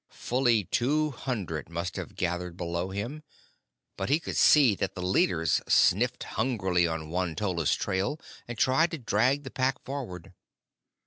Fully two hundred must have gathered below him, but he could see that the leaders sniffed hungrily on Won tolla's trail, and tried to drag the Pack forward.